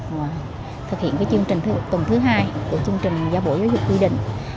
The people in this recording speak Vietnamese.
chúng ta sẽ thực hiện chương trình tuần thứ hai của chương trình giáo bộ giáo dục quy định